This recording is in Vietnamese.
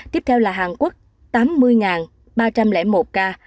tiếp theo là hàn quốc tám mươi ba trăm linh một ca